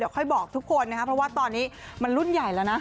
ค่อยบอกทุกคนนะครับเพราะว่าตอนนี้มันรุ่นใหญ่แล้วนะ